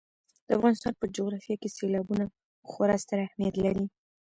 د افغانستان په جغرافیه کې سیلابونه خورا ستر اهمیت لري.